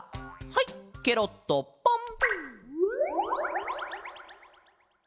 はいケロッとポン！